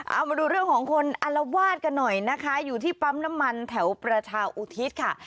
เอามาดูเรื่องของคนอัลวาดกันหน่อยนะคะอยู่ที่ปั๊มน้ำมันแถวประชาอุทิศค่ะ